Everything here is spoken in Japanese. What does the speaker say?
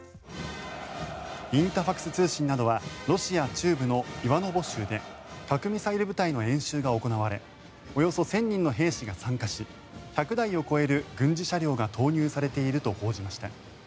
インタファクス通信などはロシア中部のイワノボ州で核ミサイル部隊の演習が行われおよそ１０００人の兵士が参加し１００台を超える軍事車両が投入されていると報じました。